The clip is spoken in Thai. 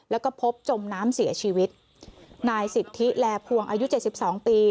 แล้วก็พบจมน้ำเสียชีวิตนายสิทธิแลพวงอายุเจ็ดสิบสองปี